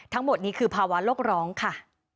ทั้งหมดนี้คือภาวะโลกร้องค่ะ